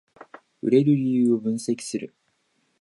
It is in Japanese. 売れる理由を分析する